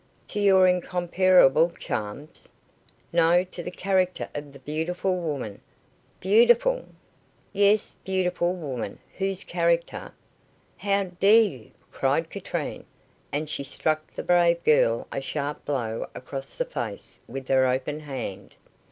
"To your incomparable charms?" "No; to the character of the beautiful woman " "Beautiful?" "Yes; beautiful woman, whose character " "How dare you!" cried Katrine, and she struck the brave girl a sharp blow across the face with her open hand.